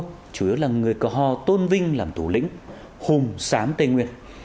phun rô chủ yếu là người cờ hò tôn vinh làm thủ lĩnh hùng xám tây nguyên